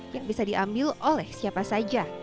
yang bisa diambil oleh siapa saja